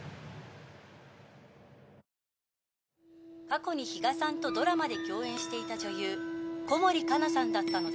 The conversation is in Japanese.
過去にヒガさんとドラマで共演していた女優小森かなさんだったのです。